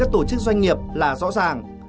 trước doanh nghiệp là rõ ràng